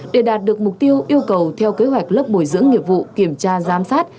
để đạt được mục tiêu yêu cầu theo kế hoạch lớp bồi dưỡng nghiệp vụ kiểm tra giám sát